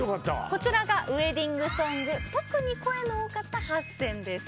こちらがウエディングソング特に声の多かった８選です。